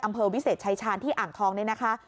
อำเภอวิเศษชายชาญที่อ่างทองนี่นะคะ